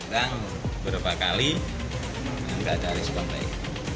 dan berapa kali tidak ada respon baik